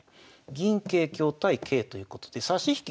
銀桂香対桂ということで差し引き